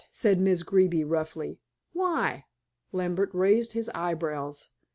said Miss Greeby roughly. "Why?" Lambert raised his eyebrows.